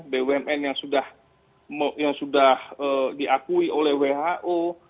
bumn yang sudah diakui oleh who